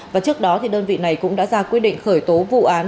và trước đó đơn vị này cũng đã ra quyết định khởi tố vụ án